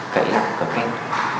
cầy làm tập kinh